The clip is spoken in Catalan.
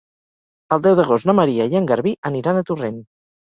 El deu d'agost na Maria i en Garbí aniran a Torrent.